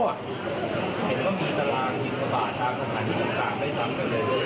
เห็นว่ามีตราหรือประบาททางสถานีต่างไม่ซ้ำกันเลย